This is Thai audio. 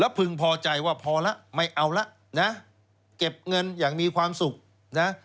พึงพอใจว่าพอแล้วไม่เอาละนะเก็บเงินอย่างมีความสุขนะ